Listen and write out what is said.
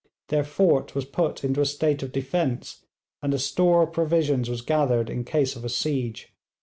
Their fort was put into a state of defence, and a store of provisions was gathered in case of a siege.